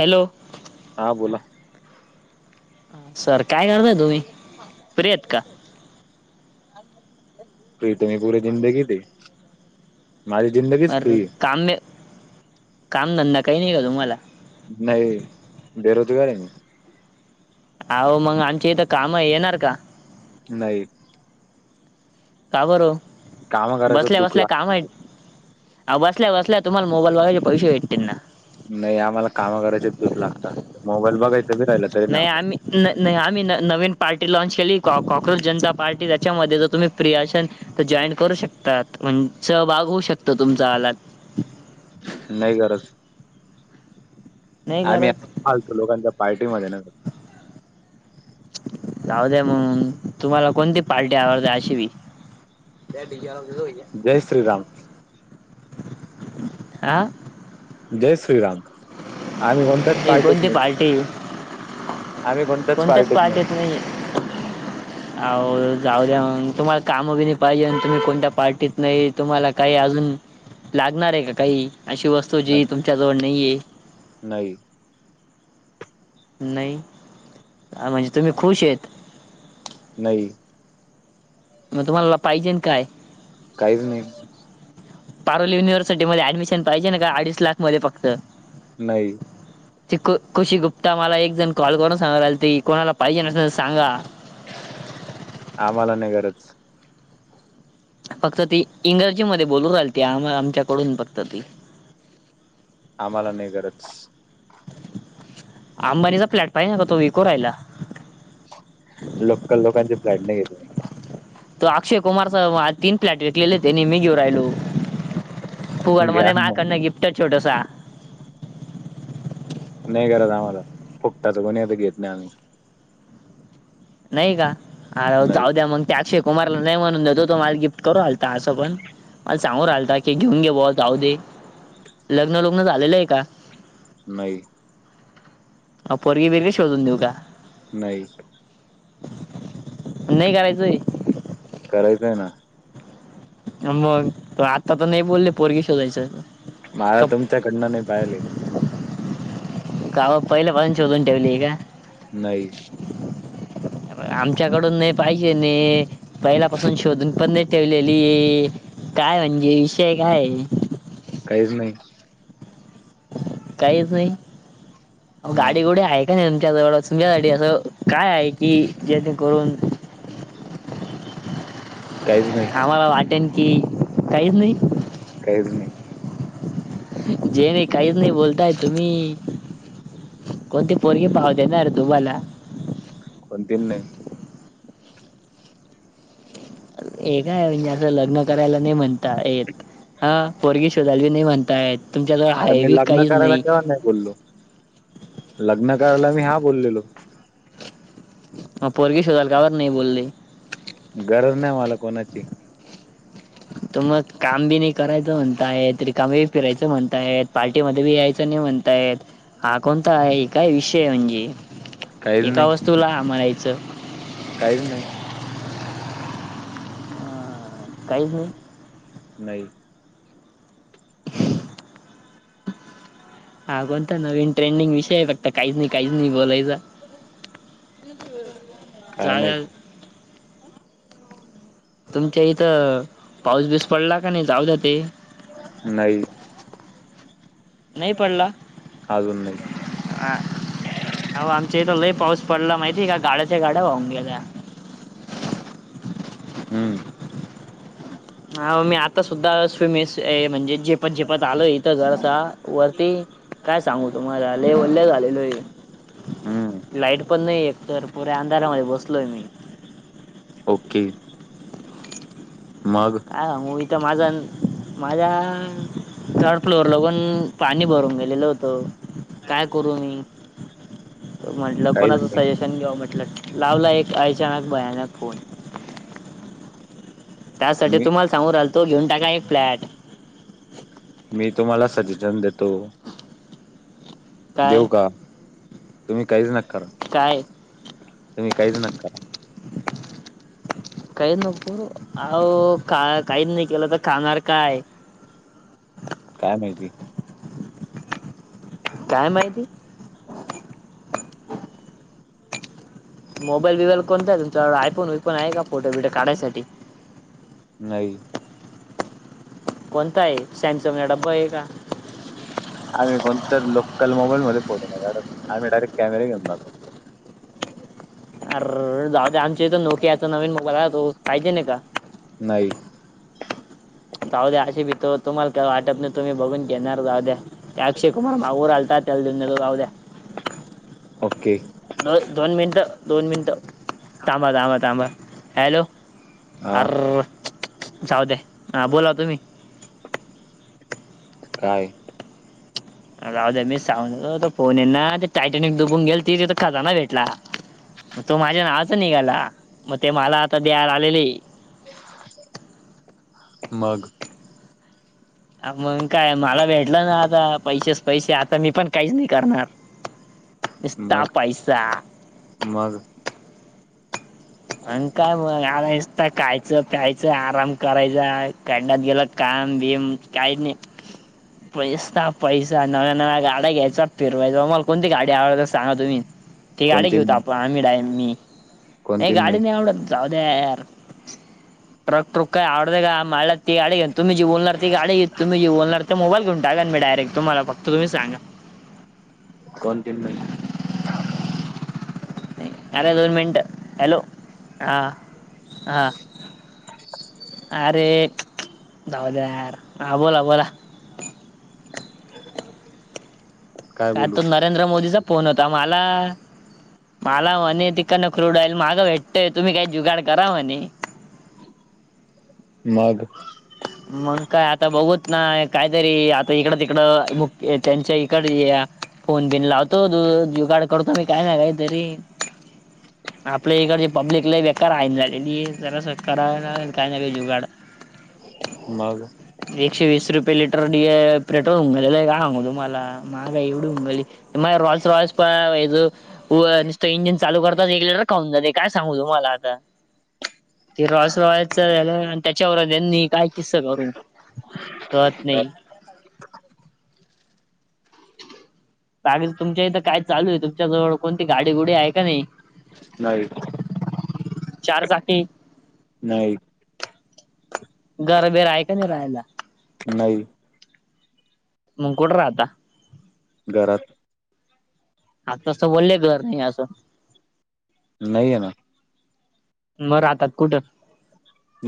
Hello. हा बोला. Sir काय करताय तुम्ही फ्री आहेत का? फ्री त मी पुरी जिंदगीत हे माझी जिंदगी अर कामनाय कामधंदा काही नाही का तुम्हाला? नाही रे बेरोजगा आहे मी. अहो, मग आमच्या इथे काम हाय येणार का? नाही. का बरं काम ओ, करायचं बसल्या, दुःख बसल्या काम लागत हायत. अहो, बसल्या, बसल्या तुम्हाला मोबाईल बघायचे पैसे भेटतीलना. नाही आम्हाला काम करायचे दुख लागता मोबाईल बघाय नाही आम्ही नाही, नाही आम्ही न नवीन पार्टी लाँनच केली कॉक्रोच जनता पार्टी त्याच्यामध्ये जर तुम्ही फ्री असशाल तर जॉईंट करू शकतात म्हण सहभाग होऊ शकतं तुमचा आलात नाही गरज. नाही आम्ही करत फालतू लोकांच्या पार्टी मध्ये नाघ. जाऊ द्या मग तुम्हाला कोणती पार्टी आवडते अशी बी. जय श्रीराम बोलो भैया जय श्रीराम. आ.. जय श्रीराम, आम्ही कोणत्याच ही पार्टीत कोणती नाही, पार्टी आम्ही कोण कोणत्याच पार्टीत नाही [unintelligible] आहो जाऊ द्या म तुम्हाला काम बी नाही पाहिजे आणि तुम्ही कोणत्या पार्टीत नाही. तुम्हाला काही अजून, लागणार आहे का काही अशी वस्तू जी तुमच्याजवळ नाही आहे. नाही. नाही, आ म्हणजे तुम्ही खुश आहेत. नई. म तुम्हाला पाहिजेन काय? काहीच नाही. पारोली युनिव्हर्सिटीमध्ये ऍडमिशन पाहिजे ना काय अडीच लाख मध्ये फक्त. नाही. त खुशी गुप्ता मला एक जण कॉल करून सांगायला आलती कोणाला पाहिजेन असल सांगा. आम्हाला नाही गरज. फक्त ती इंग्रजी मध्ये बोलून राहिलते आम आमच्याकडून फक्त ती. आम्हाला नाही गरज. आंबानीचा प्लॅट पाहिजे का तो विकू रायला. लोकल लोकांचे फ्लॅट नाही घेत आम्ही. तो अक्षय कुमारचा वा तीन फ्लॅट विकलेले त्याने मी घेऊन राहिलो. फुकट घ्या मध्ये मया मग कडन गिफ्ट छोटस. नाही गरज आम्हाला, फुकटाच कोणी आता घेत नाही आम्ही. नाही का, आ नाही जाऊ द्या मग ते अक्षय कुमारला नाही म्हणून देतो तो मला गिफ्ट करू राहिलता असं पण. मला सांगू राहिलता की घेऊन घे [unintelligible] जाऊ दे, लग्न लुग्न झालेलं आहे का? नई. पोरीगी बिरगी शोधून देऊ का? नाही. नाही करायचंय. करायचंय ना. मग, आता तर नाही बोलले पोरगी शोधायच. मला तुमच्याकडनं नाही पाहीले. गावात पहिल्या पासन शोधुन ठेवली का? नाही. आमच्याकडून नई पाहिजे ने, पहिल्या पासून शोधून पण नाही ठेवलेली, काय म्हणजे विषय कायये? काहीच नाही. काहीच नाही, गाडी नाही गुडी आहे का नाही तुमच्या जवळ तुमच्या साठी असं काय आहे की जेणेकरून काहीच नाही आम्हाला वाटेन की, काहीच नाही. काहीच नाही. जे ने काहीच नाही बोलताय तुम्ही? कोणती पोरगी पाहु देनार तुम्हाला. कोणतीन नाही. ऐ काय म्हणजे असं लग्न करायला नाही म्हण ता येत, हा पोरगी शोधालाबी नाही म्हणतायेत तुमच्याजवळ अरे मी आहेबी लग्न काहीच करायला नाही. केव्हा नाही बोललो, लग्न कराला मी हा बोलेलो. म पोरगी शोधायला गावात नाही बोलले. गरज नाही मला कोणाची. त मग काम बी नाही करायचं म्हणताय रिकाम बी फिरायचं म्हणताय पार्टीमध्ये बी यायचं नाही म्हण तात, हा कोणता आहे हे काय विषयये म्हणजे? काहीच एका नाही वस्तूला हा म्हणायचं. काहीच नाही. हा, काहीच नाही नाही हा कोणता नवीन ट्रेंडिंग विषय बघता काहीच नाही काहीच नाही बोलायचा काय जागा माहित तुमच्या इथं पाऊस बीऊस पडला का नाही जाऊ द्या ते नाही नाही पडला अजून नाही हा आहो आमच्या इथ लय पाऊस पडला माहिती आहे का गाड्याच्या गाड्या वाहून गेल्या हम्म हा मी आता सुद्धा स्विमिंस ऐ म्हणजे झेपत झेपत आलो इथं घर आता वरती काय सांगू तुम्हाला लेय वल झालेलो आहे हम्म लाइट पण नाही एकतर पुऱ्या अंधारामध्ये बसलोय मी हो कि मग हा म इथं माझा माझ्या थर्ड फ्लोअरला पण पाणी भरून गेलेलं होतं काय करू मी म्हटलं काहीच कोणाच नाही सजश शन घ्याव म्हटलं लावला एक अचानक भयानक फोन त्यासाठी मी तुम्हाला सांगू राहिलतो घेऊन टाका एक फ्लॅट मी तुम्हाला सजेशन देतो काय देऊ का तुम्ही काहीच न करा काय तुम्ही काहीच न करा काही नको रे आहो का काहीच नाही केलं तर खाणार काय? काय माहिती काय माहिती [inaudible] मोबाईल बिबाईल कोणता आहे तुमचा आयफोन विईफोन आहे का फोटो बिटो काढायसाठी नाही कोणता आहे सॅमसंग या डंबा आहे का आम्ही कोणत्या लोकल मोबाईल मध्ये फोटो नाही कारण आम्ही डायरेक्ट कॅमेरे घेऊन जहतो अर जा आमच्या इथं नोक्या आता नवीन मोबाईल तो पाहिजेल का नाही जााऊद्या असे भी तो तुम्हाला का वाटत नाही तुम्ही बघून घेणार जााऊद्या ते अक्षय कुमार भावूबर आलता त्याल राव द [inaudible] ओके दोन दोन मिनिटं दोन मिनटं थांब थांब थांबा हॅलो हा अर जाऊ दे हा बोला तुम्ही काय राहुदे ना मी सागंतो फोन ये ना ते टायटॅनिक दुबून गेल ती तिथं खजाना भेटला तो माझ्या नावाचा निघाला मग ते मला आता द्यायला आलेले मग मग काय मला भेटलं ना आता पैसेच पैसे आता मी पण काहीच नाही करणार नुस्ता मग पैसा मग मग काय मग आता खायचं प्यायचं आराम करायचा खडात गेलं काम बिम काही नाही [inaudible] नुस्ता पैसा पैसा नव्या न्या गाड्या घ्यायचा फिरवायचा मला कोणती गाडी आवडत तर सांगा तुम्ही ते गाडी कोणती घेऊतो नाही आपण आम्ही मी नाही गाडी नाही आवडत जाऊदे यार ट्रक ट्रुक का आवडत का मला ते गाडी घे, तुमी जी बोलणार ती गाडी घेत, तुमी जी बोलणार त मोबाईल घेऊन टाका [unintelligible] मं डायरेक तुम्हाला फक्त तुम्ही सांगा. कोणतीमं नही. अरे दोन मिनट हॅलो हा हां. अरे जाऊ दे यार हा बोला, बोला. [inaudible] काय तो नरेंद्र मोदीचा फोन होता माला. माला म्हणे तिकन क्रूडआईल मागं भेटतय, तुम्ही काही जुगाड करा म्हणे. मग. मग काय आता बघूत ना काहीतरी, आता इकडं तिकडं भूकं त्यांच्याई. कड या फोन, बिन लावतो जु जुगाड करतो मी काय ना काहीतरी. आपल्या इकडचे पब्लिक लई बेकार आहेन झालेली जरास करा लागलं काय ना काही जुगाड. मग. एकशे वीस रुपये लिटर डी पेट्रोल हुन गेलेलं आहे काय सांगू तुम्हाला. माहागाही एवढी हुनगेली माया रॉयल्स रॉल्स प ये जो. व नुसत इंजिन चालू करताचं एक लिटर खाऊन जाते, काय सांगू तुम्हाला आता. ते रॉयस रॉयलच वेगळं न त्याच्यावरचं यांनी. किससा करू तरत नाही. [inaudible] तामिल तुमच्या इथं काय चालू आहे, तुमच्या जवळ कोणती गाडी गुडी आहे का नही. नाही. चार चाकी. नाही. घर बीर आहे का नाही राहायला. नाही. मंग कुठ राहता. घरात. आतासं बोलले घर नाही असं. नही हे ना. म राहतात कुठं.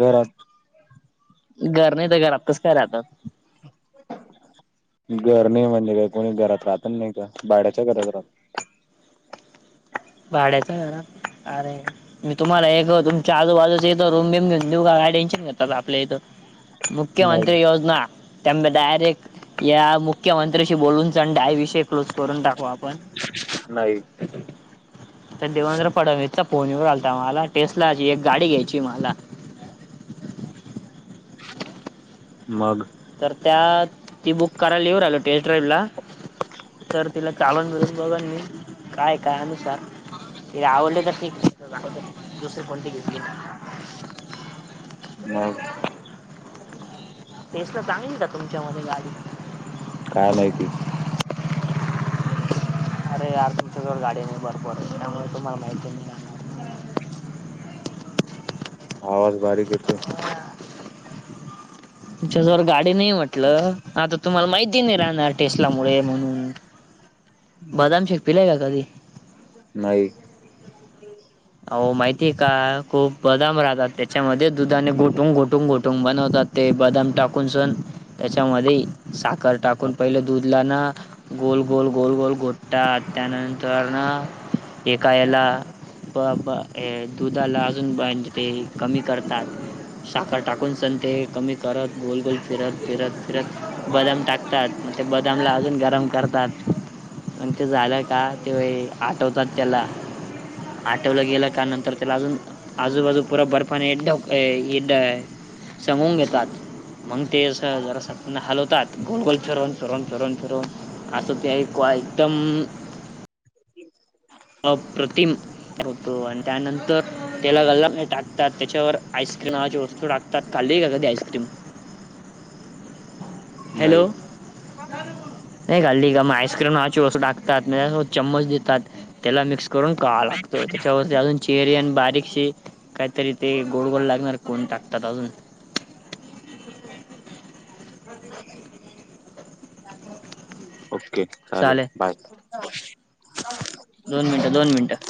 घरात. घर नही त घरात कसं काय राहतात. घर नही म्हनलं काय कोणी घरात राहत नही का, भाड्याच्या घरात राहत. भाड्याच्या घरात आरे मी तुम्हाला एक तुम च्या आजूबाजुच्या इथं रूम बीम घेऊन देऊ का, काय टेन्शन घेता आपल्या इथं. नाही मुख्यमंत्री योजना. त्याबं डायरेक्ट या मुख्यमंत्र्याशी बोलून सण हा विषय क्लोज करून टाकु आपण. नाही. तर देवेंद्र फडणवीसचा फोन येऊ राहिलंता माला, टेस्ला ची एक गाडी घ्यायची माला. मग. तर त्यात ती बुक करायला यु राहिलो टेस्ट ड्राईव्हला. तर तिला चालून बिलून बघन मी काय, काय अनुसार. ती आवडली तर ठीक, नाही तर जाऊ दया दुसरी कोणती घेतली. मग. टेसला चांगली का तुमच्या मधे गाडी. काय माहिती? अरे यार तुमच्याजवळ गाडी नाही, भरपूर त्यामुळे तुम्हांला माहिती नही ना. आवाज बारीक येतोय. तुमच्या जवर गाडी नाही म्हटलं. आता तुम्हाला माहिती नाही राहणार टेस्लामुळे म्हणून, बदाम शेक पिलाय का कधी? नाही. अहो माहितीय का खूप बदाम राहतात त्याच्यामध्ये दुधाने गोटूून गोटूून गोटूून बनवतात ते बदाम टाकून सन त्याच्यामध्ये साखर टाकून पहिले दूधला ना गोल गोल गोल गोल गोडतात त्यानंतर ना एका याला ब ब ए दुधाला अजून ते कमी करतात साखर टाकून सण ते कमी करत गोलगोल फिरत फिरत फिरत बदाम टाकतात मग ते बदामला अजून गरम करतात पण ते झालंय का ते आठवतात त्याला आठवलं गेलं का नंतर त्याला अजून आजूबाजू पूरा बर्फाने [unintelligible] समून घेतात मग ते अस जरास हलवतात गोल गोल फिरून फिरून फिरून फिरून असं ते ऐकू आयटम ह [unintelligible] अप्रतिम होतो आणि त्यानंतर त्याला गालामध्ये टाकतात त्याच्यावर आईस्क्रीम नावाची तो टाकतात खाली गेलं ते आईस्क्रीम हॅलो नाही नाही खाल्ली का मग आईस्क्रीम नावाची टाकतात त्यांच्यासोबत चम्मच देतात त्याला मिक्स करून का लागतो त्याच्यावर अजून चेरी आणि बारीकशी काहीतरी ते गोड गोड लागणार कोण टाकतात अजून ओके चाललं चालेल बाय दोन मिनिटं दोन मिनिटं